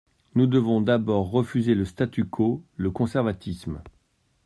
Nous devons d’abord refuser le statu quo, le conservatisme.